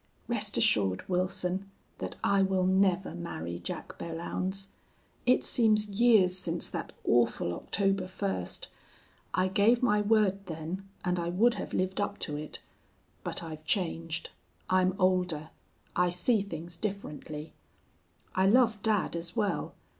"Rest assured, Wilson, that I will never marry Jack Belllounds. It seems years since that awful October first. I gave my word then, and I would have lived up to it. But I've changed. I'm older. I see things differently. I love dad as well.